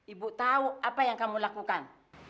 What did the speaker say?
ibu tahu apa yang kamu lakukan